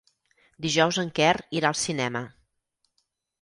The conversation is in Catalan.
Dijous en Quer irà al cinema.